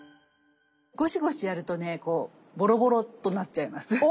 ごしごしやるとねこうボロボロっとなっちゃいます。